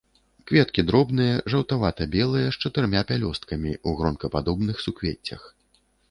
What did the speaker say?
Кветкі дробныя, жаўтавата-белыя, з чатырма пялёсткамі, у гронкападобных суквеццях.